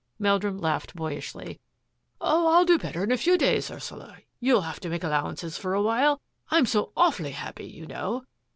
Meldrum laughed boyishly. " Oh, I'll do better in a few days, Ursula. You'll have to make al lowances for a while. I'm so awfully happy, you know."